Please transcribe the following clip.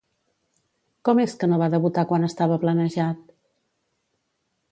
Com és que no va debutar quan estava planejat?